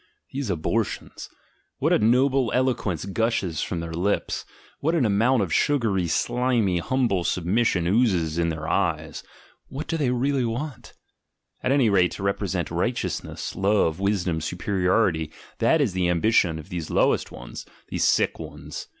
These abortions! what a noble eloquence gushes from their lips! What an amount of sugary, slimy, humble submission oozes in their eyes! What do they ASCETIC IDEALS 129 really want? At any rate to represent righteousness, love, wisdom, superiority, that is the ambition of these "low est ones," these sick ones!